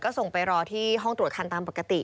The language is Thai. ก็ส่งไปรอที่ห้องตรวจคันตามปกติ